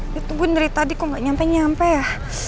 dia tungguin dari tadi kok gak nyampe nyampe ya